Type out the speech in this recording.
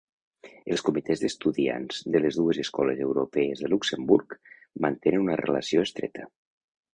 Els comitès d'estudiants de les dues Escoles Europees de Luxemburg mantenen una relació estreta.